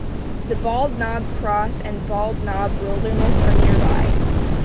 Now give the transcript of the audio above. The Bald Knob Cross and Bald Knob Wilderness are nearby.